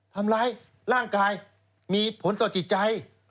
ทำร้ายร่างกายมีผลต่อจิตใจ